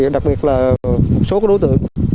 đặc biệt là một số đối tượng